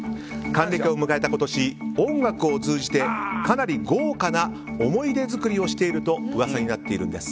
還暦を迎えた今年音楽を通じて、かなり豪華な思い出作りをしていると噂になっているんです。